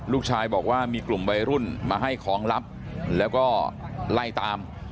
ลูกชายบอกว่ามีกลุ่มวัยรุ่นมาให้ของลับแล้วก็ไล่ตาม